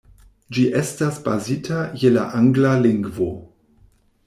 Ĝi estas bazita je la angla lingvo.